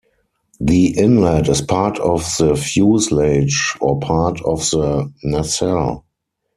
The inlet is part of the fuselage or part of the nacelle.